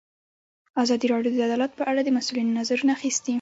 ازادي راډیو د عدالت په اړه د مسؤلینو نظرونه اخیستي.